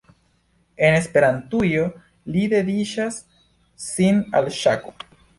En Esperantujo li dediĉas sin al ŝako.